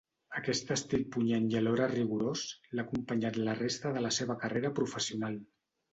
Aquest estil punyent i alhora rigorós l'ha acompanyat la resta de la seva carrera professional.